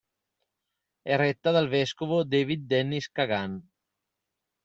È retta dal vescovo David Dennis Kagan.